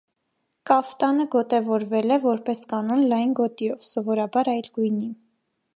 Կաֆտանը գոտևորվել է, որպես կանոն, լայն գոտիով ( սովորաբար այլ գույնի)։